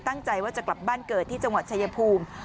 ตั้งใจว่าจะกลับบ้านเกิดที่จังหวัดชายภูมิ